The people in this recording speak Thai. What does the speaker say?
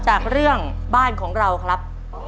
จากเรื่องบ้านของเราครับ